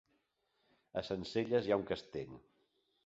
A Sencelles hi ha un castell?